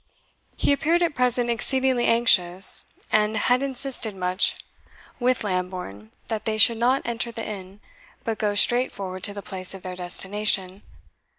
He appeared at present exceedingly anxious, and had insisted much with Lambourne that they should not enter the inn, but go straight forward to the place of their destination.